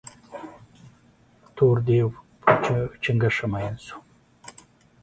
تور ديب پر چونگوښه مين سو.